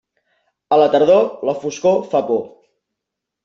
A la tardor, la foscor fa por.